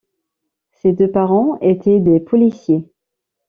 Ses deux parents étaient des policiers.